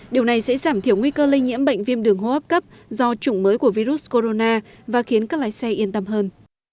điều này sẽ giảm thiểu nguy cơ lây nhiễm bệnh viêm đường hô hấp cấp do chủng mới của virus corona và khiến các lái xe yên tâm hơn